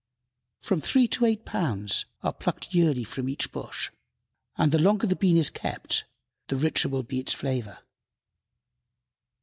From three to eight pounds are plucked yearly from each bush, and the longer the bean is kept the richer will be its flavor.